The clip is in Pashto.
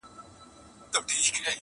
چي تر پامه دي جهان جانان جانان سي,